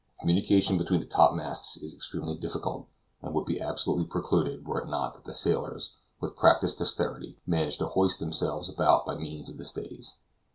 Communication between the top masts is extremely difficult, and would be absolutely precluded, were it not that the sailors, with practiced dexterity, manage to hoist themselves about by means of the stays.